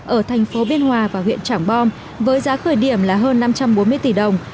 ở thành phố biên hòa và huyện trảng bom với giá khởi điểm là hơn năm trăm bốn mươi tỷ đồng